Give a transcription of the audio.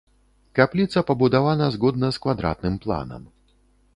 Капліца пабудавана згодна з квадратным планам.